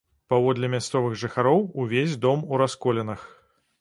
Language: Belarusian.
Паводле мясцовых жыхароў, увесь дом у расколінах.